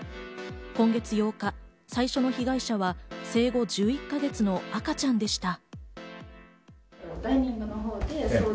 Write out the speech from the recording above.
今月８日、最初の被害者は生後１１か月の赤ちゃんでした。